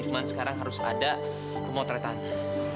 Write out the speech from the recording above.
cuma sekarang harus ada pemotretannya